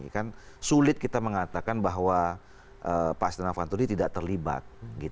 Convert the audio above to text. kan sulit kita mengatakan bahwa pak setia novanto ini tidak terlibat